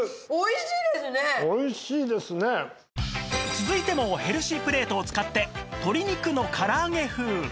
続いてもヘルシープレートを使って鶏肉の唐揚げ風